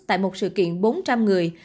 tại một sự kiện bốn trăm linh người